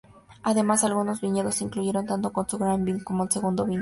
Además, algunos viñedos se incluyeron tanto con su "Grand vin" como el segundo vino.